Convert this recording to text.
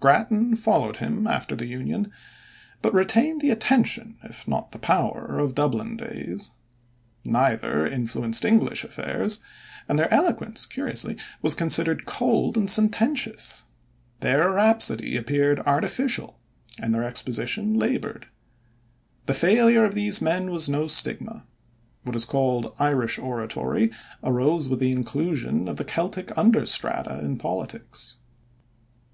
Grattan followed him after the Union, but retained the attention if not the power of Dublin days. Neither influenced English affairs, and their eloquence curiously was considered cold and sententious. Their rhapsody appeared artificial, and their exposition labored. The failure of these men was no stigma. What is called "Irish oratory" arose with the inclusion of the Celtic under strata in politics.